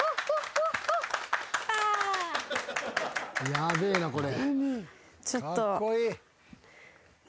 ヤベえなこれ。